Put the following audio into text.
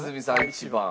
１番。